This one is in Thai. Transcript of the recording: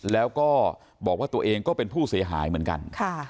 แล้วก็บอกว่าตัวเองก็เป็นผู้เสียหายเหมือนกัน